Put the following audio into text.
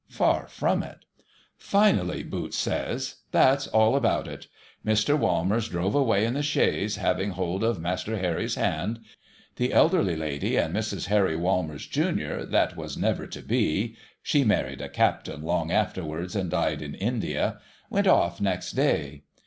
Far from it. Finally, Boots says, that's all about it. Mr. Walmers drove away in the chaise, having hold of Master Harry's hand. The elderly lady and Mrs. Harry Walmers, Junior, that was never to be (she married a Captain long afterwards, and died in India), went off next day.